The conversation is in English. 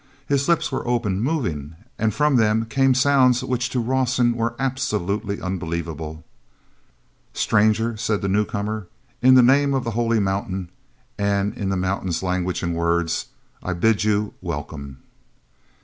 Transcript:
His lips were open, moving, and from them came sounds which to Rawson were absolutely unbelievable: "Stranger," said the newcomer, "in the name of the Holy Mountain, and in the Mountain's language and words, I bid you welcome."